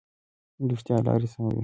رښتیا لارې سموي.